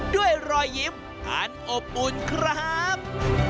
ด้วยรอยยิ้มอันอบอุ่นครับ